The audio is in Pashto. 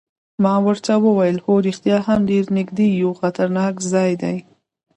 ما ورته وویل: هو رښتیا هم ډېر نږدې یو، خطرناک ځای دی.